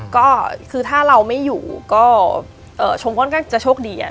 ก็คือถ้าเราไม่อยู่ก็ชงก้นก็จะโชคดีอะ